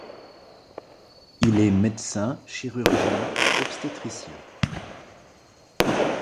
Il est médecin chirurgien obstétricien.